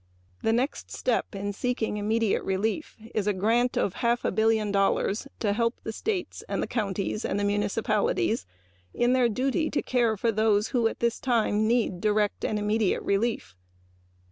Our next step in seeking immediate relief is a grant of half a billion dollars to help the states, counties and municipalities in their duty to care for those who need direct and immediate relief.